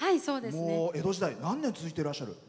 江戸時代何年続いてらっしゃる？